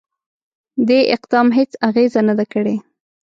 دې اقدام هیڅ اغېزه نه ده کړې.